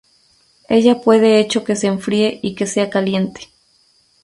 Ella puede hecho que se enfríe y que sea caliente.